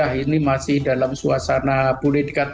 boleh dikatakan masih dalam suasana yang tidak terlalu berat